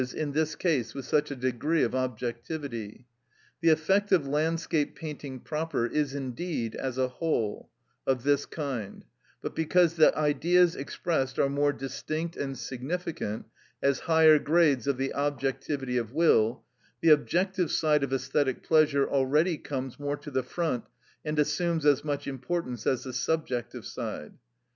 _, in this case with such a degree of objectivity. The effect of landscape painting proper is indeed, as a whole, of this kind; but because the Ideas expressed are more distinct and significant, as higher grades of the objectivity of will, the objective side of æsthetic pleasure already comes more to the front and assumes as much importance as the subjective side.